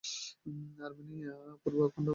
Armenia পূর্বে অখণ্ড Soviet Union এর অংশ ছিল।